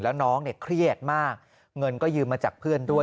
แล้วน้องเนี่ยเครียดมากเงินก็ยืมมาจากเพื่อนด้วย